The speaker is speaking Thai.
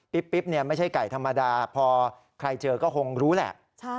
ปิ๊บไม่ใช่ไก่ธรรมดาพอใครเจอก็คงรู้แหละ